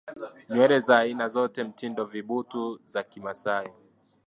nywele za aina zote mtindo vibutu za kimasai